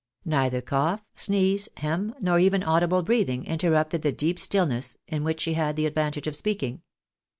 ISTeither cough, sneeze, hem, nor even audible breathing, interrupted the deep still ness in which she had the advantage of speaking.